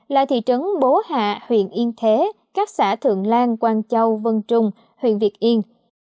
là thị trấn bố hạ huyện yên thế các xã thượng lan quan châu vân trung huyện việt yên